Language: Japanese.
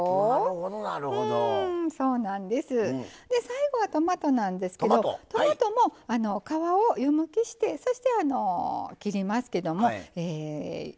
最後はトマトなんですけどトマトも皮を湯むきしてそして切りますけどもこれ４等分にしてますね。